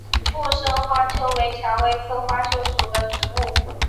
附生花楸为蔷薇科花楸属的植物。